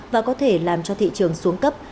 và có thể làm cho thị trường xuống cấp